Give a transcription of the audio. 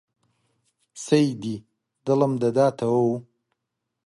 سەیدی دڵم دەداتەوە و